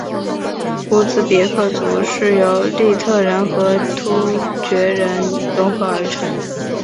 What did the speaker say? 乌兹别克族是由粟特人和突厥人溶合而成。